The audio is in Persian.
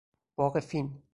باغ فین